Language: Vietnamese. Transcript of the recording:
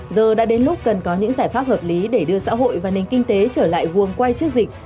giờ đã đến lúc cần có những giải pháp hợp lý để đưa xã hội và nền kinh tế trở lại quần quay trước dịch